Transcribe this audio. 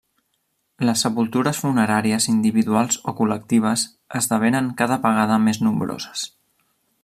Les sepultures funeràries, individuals o col·lectives, esdevenen cada vegada més nombroses.